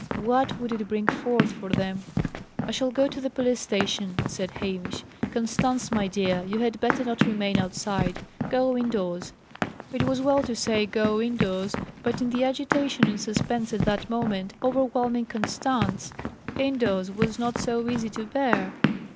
What would it bring forth for them? "I shall go to the police station," said Hamish. "Constance, my dear, you had better not remain outside. Go indoors." It was well to say "Go indoors," but in the agitation and suspense at that moment overwhelming Constance, "indoors" was not so easy to bear.